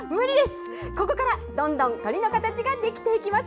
ここから、どんどん鳥の形ができていきます。